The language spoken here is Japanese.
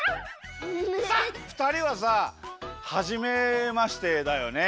さあふたりはさはじめましてだよね。